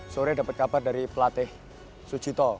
sore dapat kabar dari pelatih sujito